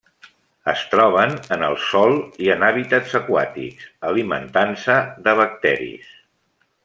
Es troben en el sòl i en hàbitats aquàtics, alimentant-se de bacteris.